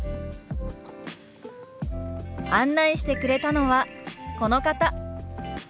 案内してくれたのはこの方。